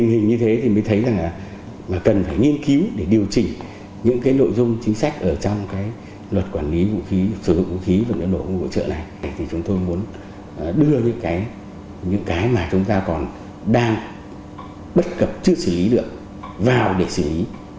những cái mà chúng ta còn đang bất cập chưa xử lý được vào để xử lý